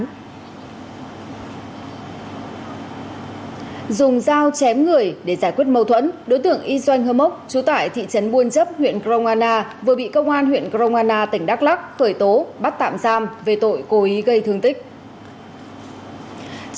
dùng dao chém người để giải quyết mâu thuẫn đối tượng y doanh hơ mốc chú tải thị trấn buôn chấp huyện grongana vừa bị công an huyện grongana tỉnh đắk lắc khởi tố bắt tạm giam về tội cố ý gây thương tích